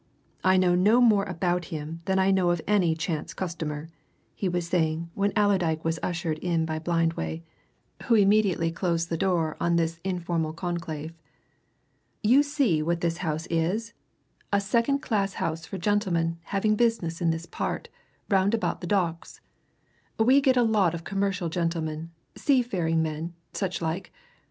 "I know no more about him than I know of any chance customer," he was saying when Allerdyke was ushered in by Blindway, who immediately closed the door on this informal conclave. "You see what this house is? a second class house for gentlemen having business in this part, round about the Docks. We get a lot of commercial gentlemen, sea faring men, such like.